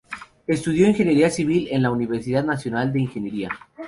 Estudió Ingeniería civil en la Universidad Nacional de Ingeniería.